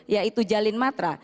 yaitu jalin matra